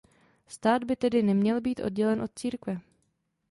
Stát by tedy neměl být oddělen od církve.